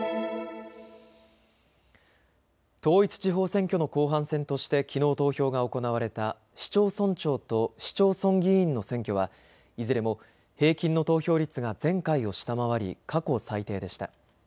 統一地方選挙の後半戦としてきのう投票が行われた市町村長と市町村議員の選挙はいずれも平均の投票率が前回を下回り過去最低でした。